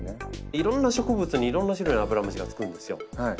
いろんな植物にいろんな種類のアブラムシがつくんですよ。